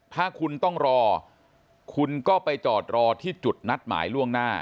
ถ้าคุณต้องรอคุณก็ไปจอดรอที่จุดนัดหมายล่วงหน้า